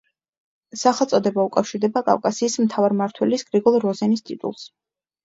სახელწოდება უკავშირდება კავკასიის მთავარმმართველის გრიგოლ როზენის ტიტულს.